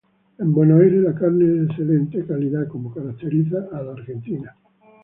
En Buenos Aires la carne es de excelente calidad como caracteriza a la Argentina.